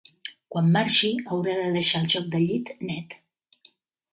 Quan marxi, haurà de deixar el joc de llit net.